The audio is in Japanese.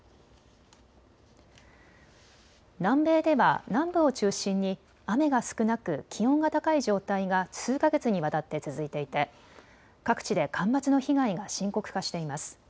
南米では南部を中心に雨が少なく気温が高い状態が数か月にわたって続いていて各地で干ばつの被害が深刻化しています。